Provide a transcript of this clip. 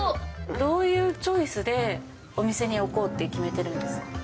どういうチョイスでお店に置こうって決めてるんですか？